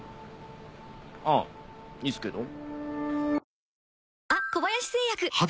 あぁいいっすけど？